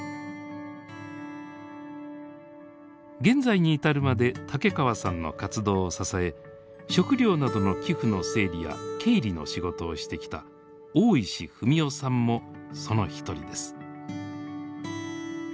現在に至るまで竹川さんの活動を支え食料などの寄付の整理や経理の仕事をしてきた大石文雄さんもその一人です。